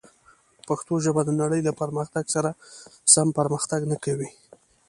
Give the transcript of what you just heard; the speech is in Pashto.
پښتو ژبه د نړۍ له پرمختګ سره سم پرمختګ نه کوي.